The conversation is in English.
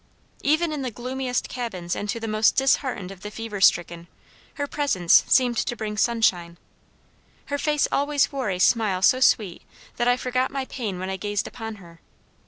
"Even in the gloomiest cabins and to the most disheartened of the fever stricken, her presence seemed to bring sunshine. Her face always wore a smile so sweet that I forgot my pain when I gazed upon her.